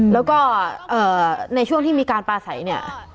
แล้วก็ในช่วงที่มีการปลาใสเนี่ย